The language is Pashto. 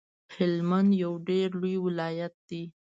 هلمند یو ډیر لوی ولایت دی